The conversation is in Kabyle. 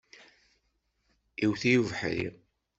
Iwet-iyi ubeḥri.